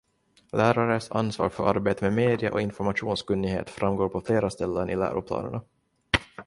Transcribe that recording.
Lärares ansvar för arbetet med medie- och informationskunnighet framgår på flera ställen i läroplanerna.